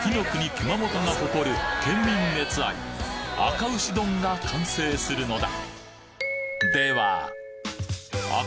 熊本が誇る県民熱愛あか牛丼が完成するのだ！